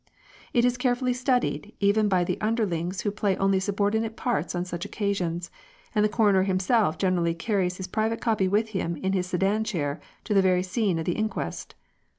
It is carefully studied even by the underlings who play only subordinate parts on such occasions, and the coroner himself generally carries his private copy with him in his sedan chair to the very scene of the inquest.